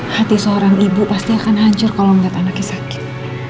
hati seorang ibu pasti akan hancur kalau melihat anaknya sakit